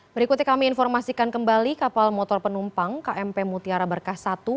berikutnya kami informasikan kembali kapal motor penumpang kmp mutiara berkas satu